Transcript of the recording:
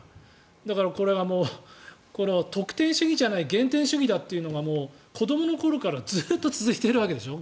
だから、これはもう得点主義じゃない減点主義だというのが子どもの頃からずっと続いているわけでしょ。